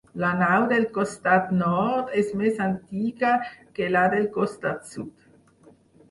La nau del costat nord és més antiga que la del costat sud.